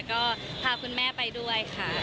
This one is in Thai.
ก็พาคุณแม่ไปด้วยค่ะ